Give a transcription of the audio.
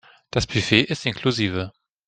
Das Buffet ist inklusive.